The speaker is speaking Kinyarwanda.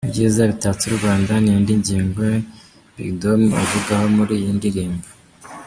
Ibyiza bitatse u Rwanda, ni indi ngingo Big Dom avugaho muri iyi ndirimbo.